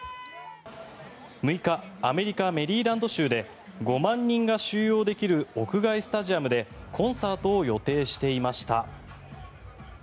６日アメリカ・メリーランド州で５万人が収容できる屋外スタジアムでコンサートを予定していました。